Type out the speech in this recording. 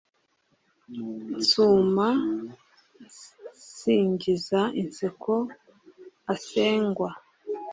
nsuma nsingiza inseko asengwa